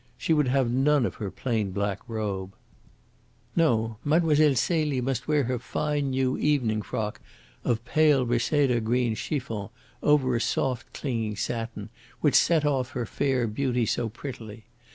She would have none of her plain black robe. No, Mlle. Celie must wear her fine new evening frock of pale reseda green chiffon over soft clinging satin, which set off her fair beauty so prettily.